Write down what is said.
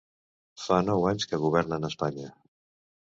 Fa nou anys que governen a Espanya.